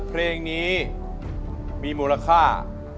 เพลงนี้มีมูลค่า